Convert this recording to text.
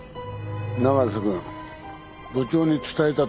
永瀬君部長に伝えたとおりだ。